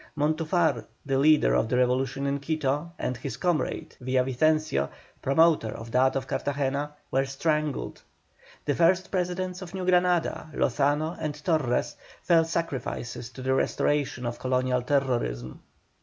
Montufar, the leader of the revolution in Quito, and his comrade Villavicencio, promoter of that of Cartagena, were strangled. The first Presidents of New Granada, Lozano and Torres, fell sacrifices to the restoration of colonial terrorism.